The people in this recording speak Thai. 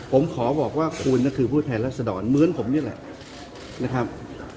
ผมขอบอกว่าคุณก็คือผู้แทนรัศดรเหมือนผมนี่แหละนะครับ